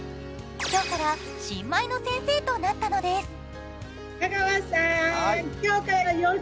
今日から新米の先生となったのです。